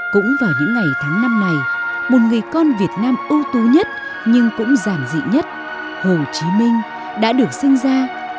cũng vào những ngày tháng năm này một người con việt nam ưu tú nhất nhưng cũng giản dị nhất hồ chí minh đã được sinh ra